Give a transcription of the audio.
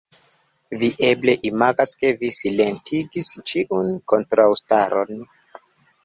Vi eble imagas, ke vi silentigis ĉiun kontraŭstaron.